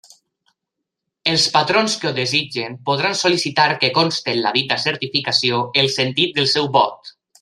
Els patrons que ho desitgen podran sol·licitar que conste en la dita certificació el sentit del seu vot.